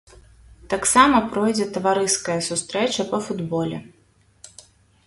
Таксама пройдзе таварыская сустрэча па футболе.